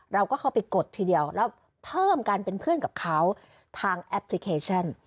เราก็เข้าไปกดทีเดียวแล้วเพิ่มการเป็นเพื่อนกับเขาทางแอปพลิเคชัน